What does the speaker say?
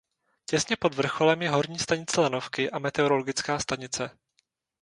Těsně pod vrcholem je horní stanice lanovky a meteorologická stanice.